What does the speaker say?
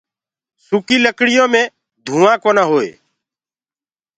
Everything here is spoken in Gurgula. سوڪيٚ لڪڙيونٚ ڌوآنٚ ڀوت گھٽ ڪرديونٚ هينٚ۔